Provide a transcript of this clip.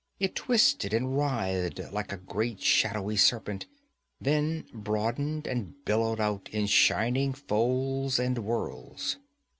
It twisted and writhed like a great shadowy serpent, then broadened and billowed out in shining folds and whirls.